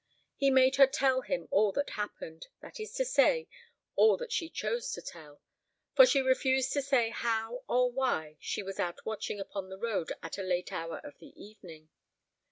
He made her tell him all that happened, that is to say, all that she chose to tell; for she refused to say how or why she was out watching upon the road at a late hour of the evening.